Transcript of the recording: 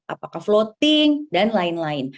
apakah floating dan lain lain